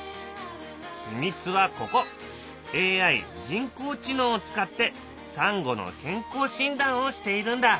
ＡＩ人工知能を使ってサンゴの健康診断をしているんだ。